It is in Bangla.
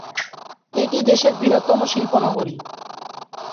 এটি দেশের বৃহত্তম শিল্প নগরী।